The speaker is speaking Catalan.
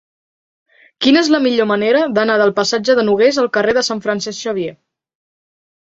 Quina és la millor manera d'anar del passatge de Nogués al carrer de Sant Francesc Xavier?